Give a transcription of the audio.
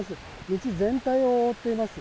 道全体を覆っています。